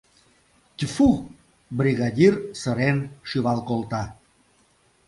— Тьфу! — бригадир сырен шӱвал колта.